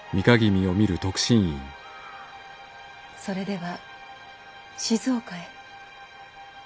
それでは静岡へ？